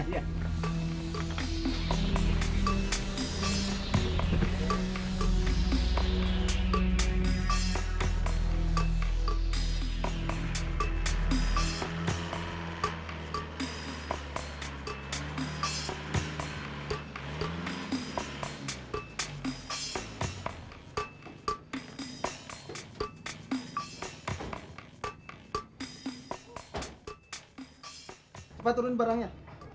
cepat turun barangnya